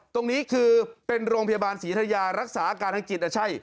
ตรงนี้คือเป็นโรงพยาบาลศรีธยารักษาอาการทางจิตใช่